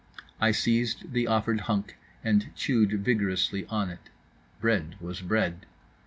I seized the offered hunk, and chewed vigorously on it. Bread was bread.